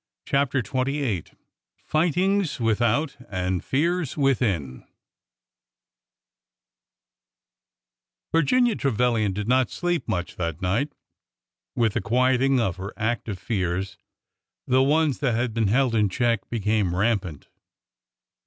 CHAPTER XXVIII FIGHTINGS WITHOUT AND FEARS WITHIN IRGINIA TREVILIAN did not sleep much that V night. With the quieting of her active fears, the ones that had been held in check became rampant.